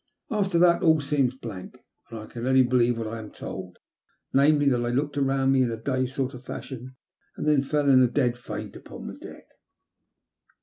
After that all seems a blank, and I can only believe what I am told — ^namely, that I looked round me in a dazed sort of fashion, and then fell in a dead faint upon the deck.